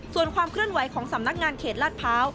ส่วนความเคลื่อนไหวของสำนักงานเขตลาดพร้าว